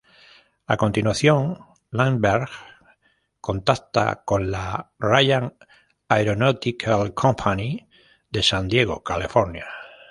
A continuación, Lindbergh contacta con la Ryan Aeronautical Company de San Diego, California.